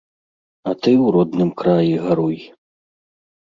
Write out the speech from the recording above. А ты ў родным краі гаруй.